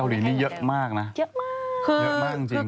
เกาหลีนี้เยอะมากนะเยอะมาก